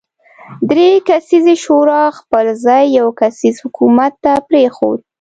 درې کسیزې شورا خپل ځای یو کسیز حکومت ته پرېښود.